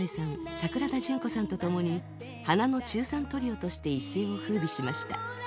桜田淳子さんと共に「花の中三トリオ」として一世をふうびしました。